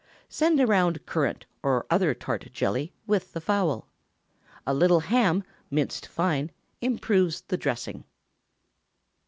Send around currant, or other tart jelly, with the fowl. A little ham, minced fine, improves the dressing.